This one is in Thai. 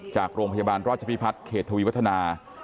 จากโรงพยาบาลราชพิพัฒน์เขตทวีวัฒนา